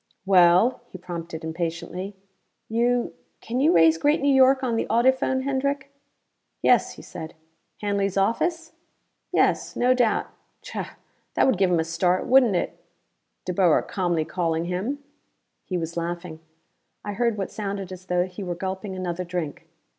"Well?" he prompted impatiently. "You can you raise Great New York on the audiphone, Hendrick?" "Yes," he said. "Hanley's office?" "Yes, no doubt. Chah that would give him a start, wouldn't it? De Boer calmly calling him!" He was laughing. I heard what sounded as though he were gulping another drink.